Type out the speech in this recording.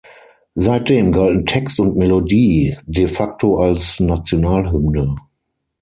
Seitdem galten Text und Melodie de facto als Nationalhymne.